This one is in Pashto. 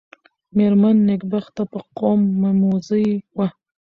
مېرمن نېکبخته په قوم مموزۍ وه.